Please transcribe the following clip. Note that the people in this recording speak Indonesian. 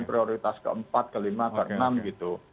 prioritas keempat kelima ke enam gitu